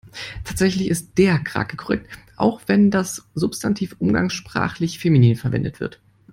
Tatsächlich ist der Krake korrekt, auch wenn das Substantiv umgangssprachlich feminin verwendet wird.